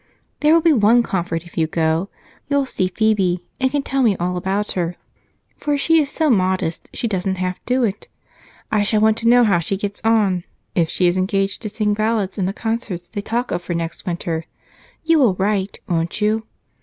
"There will be one comfort if you go you'll see Phebe and can tell me all about her, for she is so modest, she doesn't half do it. I shall want to know how she gets on, if she is engaged to sing ballads in the concerts they talk of for next winter. You will write, won't you?"